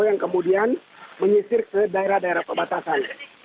yang kemudian menyisir ke daerah daerah perbatasan